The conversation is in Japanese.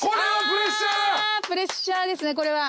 プレッシャーですねこれは。